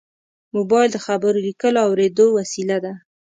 موبایل د خبرو، لیکلو او اورېدو وسیله ده.